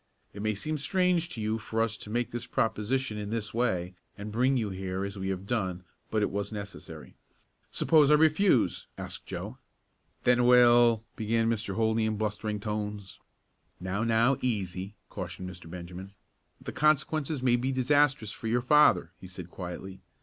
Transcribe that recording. It may seem strange to you for us to make this proposition in this way, and bring you here as we have done, but it was necessary." "Suppose I refuse?" asked Joe. "Then we'll " began Mr. Holdney, in blustering tones. "Now, now, easy," cautioned Mr. Benjamin. "The consequences may be disastrous for your father," he said quietly.